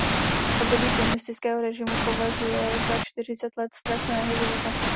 Období komunistického režimu považuje za „čtyřicet let ztraceného života“.